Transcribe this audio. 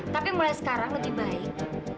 tapi mulai sekarang lebih baik